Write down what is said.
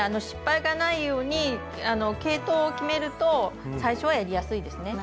失敗がないように系統を決めると最初はやりやすいですね。